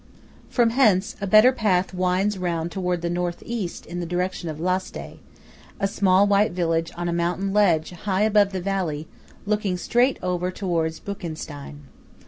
From hence, a better path winds round towards the North east in the direction of Lasté–a small white village on a mountain ledge high above the valley, looking straight over towards Buchenstein.